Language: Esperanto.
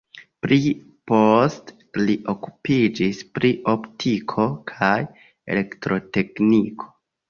Pli poste li okupiĝis pri optiko kaj elektrotekniko.